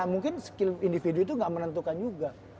mungkin skill individu itu gak menentukan juga